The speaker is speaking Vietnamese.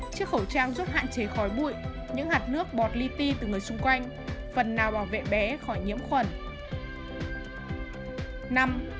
chiếc khẩu trang giúp hạn chế khói bụi những hạt nước bọt lyty từ người xung quanh phần nào bảo vệ bé khỏi nhiễm khuẩn